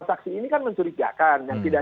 saksi ini kan mencurigakan yang tidak